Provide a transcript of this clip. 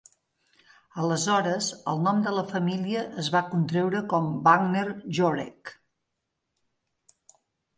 Aleshores, el nom de la família es va contreure com "Wagner-Jauregg".